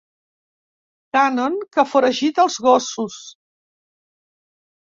Cànon que foragita els gossos.